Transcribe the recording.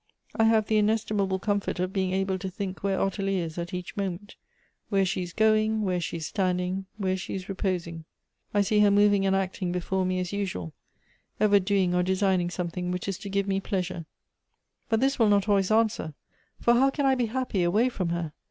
I have the inestimable comfort of being able to think where Ottilie is at each uaoment — where she is going, where she is standing, where she is reposing, I see her moving aud acting before me as usual ; evei doing or designing something which is to give me pleasure, But this will not always answer; for how can I be happy away from her?